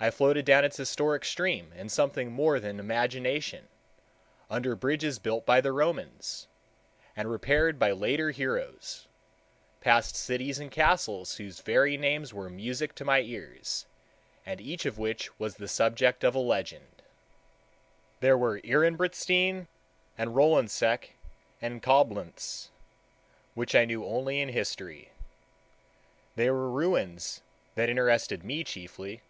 I floated down its historic stream in something more than imagination, under bridges built by the Romans, and repaired by later heroes, past cities and castles whose very names were music to my ears, and each of which was the subject of a legend. There were Ehrenbreitstein and Rolandseck and Coblentz, which I knew only in history. They were ruins that interested me chiefly.